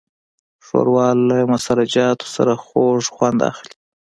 ښوروا له مسالهجاتو سره خوږ خوند اخلي.